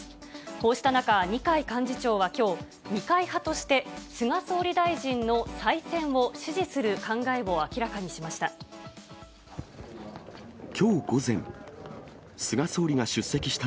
こうした中、二階幹事長はきょう、二階派として、菅総理大臣の再選を支持する考えを明らかにしました。